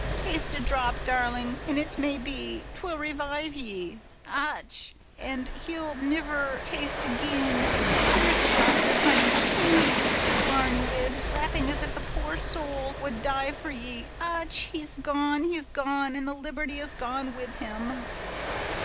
Taste a drop, darling, and it may be, 'twill revive ye. Och! and he'll niver taste ag'in; here's the doctor, honey, him ye used to blarney wid, waping as if the poor sowl would die for ye. Och! he's gone, he's gone; and the liberty is gone with him."